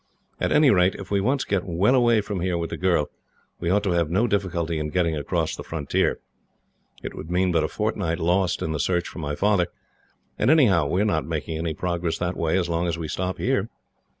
At any rate, if we once get well away from here with the girl, we ought to have no difficulty in getting across the frontier. It would mean but a fortnight lost in the search for my father, and, anyhow, we are not making any progress that way as long as we stop here.